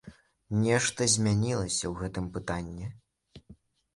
Нешта змянілася ў гэтым пытанні?